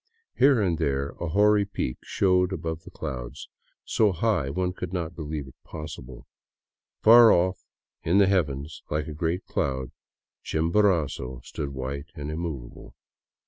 Here and there a hoary peak showed above the clouds, so high one could not believe it possible. Far off in the heavens like a great cloud, Chimborazo stood white and immovable.